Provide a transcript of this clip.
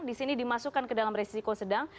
di sini dimasukkan ke dalam resiko sedang